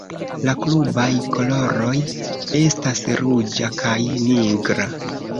La klubaj koloroj estas ruĝa kaj nigra.